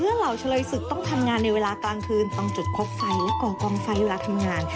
เหล่าเฉลยศึกต้องทำงานในเวลากลางคืนต้องจุดพบไฟและก่อกองไฟเวลาทำงาน